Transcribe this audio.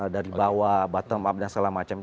dari bawah bottom up dan segala macam